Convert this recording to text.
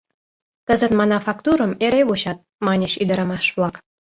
Кызыт мануфактурым эре вучат, — маньыч ӱдырамаш-влак.